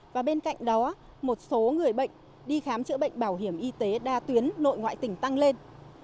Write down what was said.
và bên cạnh đó một số người bệnh đi khám chữa bệnh bảo hiểm y tế đa tuyến nội ngoại tỉnh tăng lên